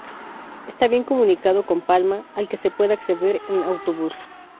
Está bien comunicado con Palma, al que se puede acceder en autobús.